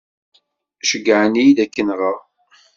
Ceyyεen-iyi-d ad k-nɣeɣ.